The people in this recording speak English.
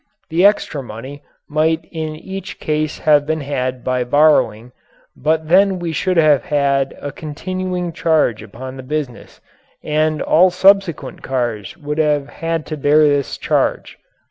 The extra money might in each case have been had by borrowing, but then we should have had a continuing charge upon the business and all subsequent cars would have had to bear this charge.